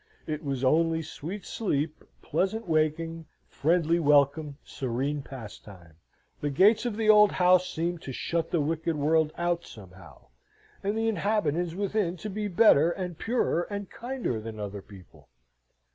It was only sweet sleep, pleasant waking, friendly welcome, serene pastime. The gates of the old house seemed to shut the wicked world out somehow, and the inhabitants within to be better, and purer, and kinder than other people.